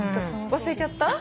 忘れちゃった？